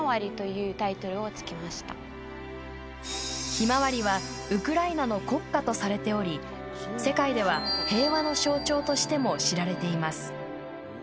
ひまわりは、ウクライナの国花とされており世界では平和の象徴としても知られています。